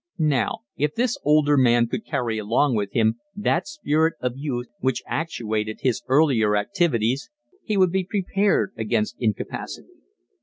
Now if this older man could carry along with him that spirit of youth which actuated his earlier activities he would be prepared against incapacity.